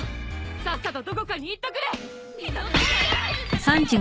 さっさとどこかに行っとくれ！